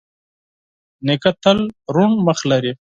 نیکه تل روڼ مخ لري.